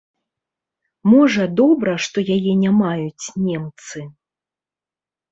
Можа, добра, што яе не маюць немцы.